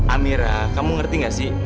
amira kamu ngerti gak sih